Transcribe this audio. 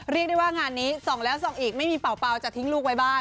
เรียกได้ว่างานนี้ส่องแล้วส่องอีกไม่มีเป่าจะทิ้งลูกไว้บ้าน